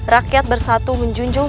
rakyat bersatu menjunjung